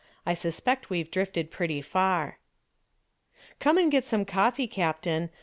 I suspect we've drifted pretty far." "Come and get some coffee, captain.